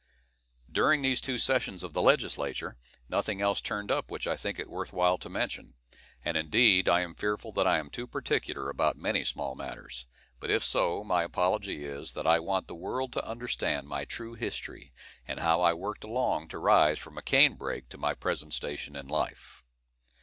During these two sessions of the Legislature, nothing else turned up which I think it worth while to mention; and, indeed, I am fearful that I am too particular about many small matters; but if so, my apology is, that I want the world to understand my true history, and how I worked along to rise from a cane brake to my present station in life.